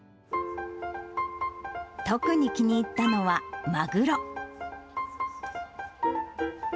特に気に入ったのは、マグロ。